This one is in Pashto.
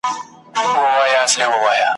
ملنګه ! د کوم دشت هوا پرهر لره دوا ده `